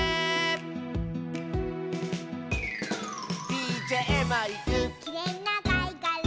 「ＤＪマイク」「きれいなかいがら」